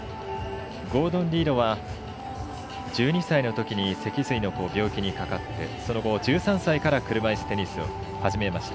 ゴードン・リードは１２歳のときに脊髄の病気にかかってその後、１３歳から車いすテニスを始めました。